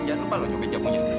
san jangan lupa lo cobain jamu itu